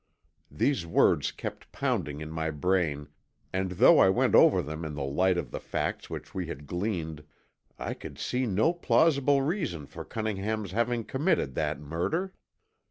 These words kept pounding in my brain and though I went over them in the light of the facts which we had gleaned, I could see no plausible reason for Cunningham's having committed that murder.